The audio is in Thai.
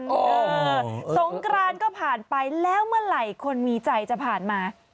เออสงกรานก็ผ่านไปแล้วเมื่อไหร่คนมีใจจะผ่านมา